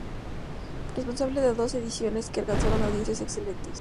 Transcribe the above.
Responsable de dos ediciones, que alcanzan audiencias excelentes.